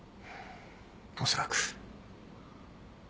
おそらく。